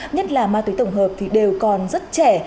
nhất là ma túy tổng hợp thì đều còn rất trẻ